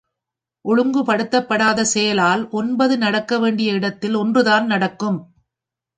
ஒழுங்குப்படுத்தப் படாத செயலால் ஒன்பது நடக்க வேண்டிய இடத்தில் ஒன்றுதான் நடக்கும்.